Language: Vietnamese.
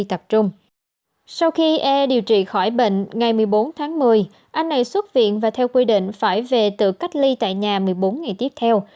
sau khi e điều trị khỏi bệnh ngày một mươi bốn tháng một mươi anh này xuất viện và theo quy định phải về tự cách ly tại nhà một mươi bốn ngày tiếp theo